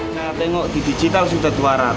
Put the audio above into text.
saya tengok di digital sudah dua ratus